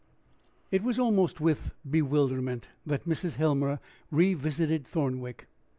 It was almost with bewilderment that Mrs. Helmer revisited Thornwick.